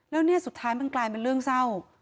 แล้วเนี่ยสุดท้ายมันกลายเป็นเรื่องเศร้า